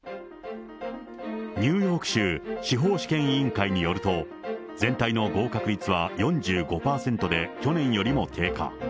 ニューヨーク州司法試験委員会によると、全体の合格率は４５％で、去年よりも低下。